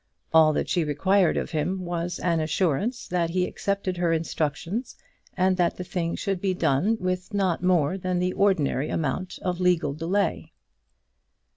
All that she required of him was an assurance that he accepted her instructions, and that the thing should be done with not more than the ordinary amount of legal delay.